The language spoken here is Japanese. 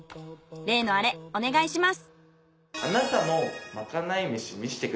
例のアレお願いします。